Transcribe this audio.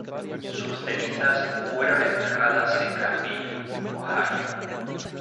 Sus cenizas fueron enterradas en Granville, Ohio.